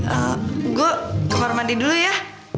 ehm gue ke kamar mandi dulu ya